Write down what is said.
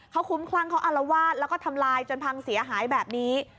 เขาคุ้มคลั่งเขาอารวาสแล้วก็ทำลายจนพังเสียหายแบบนี้